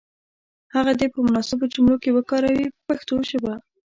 هغه دې په مناسبو جملو کې وکاروي په پښتو ژبه.